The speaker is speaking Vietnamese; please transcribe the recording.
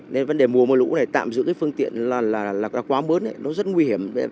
nên vấn đề mùa mưa lũ này tạm giữ cái phương tiện là quá mớn nó rất nguy hiểm